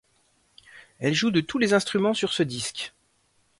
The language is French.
Elle joue de tous les instruments sur ce disque.